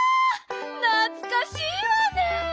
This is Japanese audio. なつかしいわね。